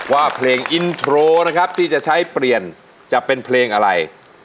ว่าเพลงอินโทรนะครับที่จะใช้เปลี่ยนจะเป็นเพลงอะไร